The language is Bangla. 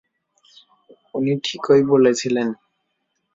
উনি ঠিকই বলেছিলেন!